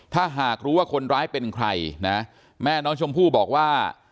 ถ้าหากรู้ว่าคนร้ายเป็นใครนะแม่น้องชมพู่บอกว่า